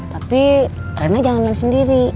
tapi karena jangan main sendiri